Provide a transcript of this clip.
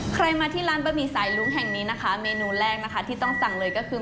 ใครมาที่ร้านบะหมี่สายลุ้งแห่งนี้นะคะเมนูแรกนะคะที่ต้องสั่งเลยก็คือ